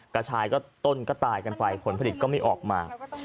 กระชายก็ต้นก็ตายกันไปผลผลิตก็ไม่ออกมา